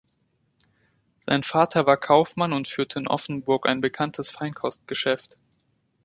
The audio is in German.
Sein Vater war Kaufmann und führte in Offenburg ein bekanntes Feinkostgeschäft.